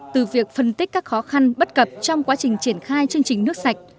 từ việc phân tích các khó khăn bất cập trong quá trình triển khai chương trình nước sạch